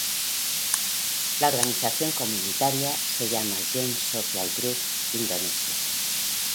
La organización comunitaria se llama Jain Social Group, Indonesia.